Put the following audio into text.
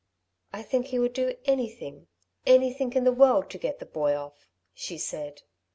"I think he would do anything anything in the world to get the boy off," she said.